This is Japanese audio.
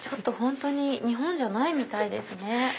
本当に日本じゃないみたいですね。